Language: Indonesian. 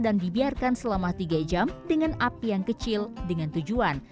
dan dibiarkan selama tiga jam dengan api yang kecil dengan tujuan